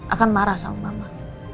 akan marah sama mama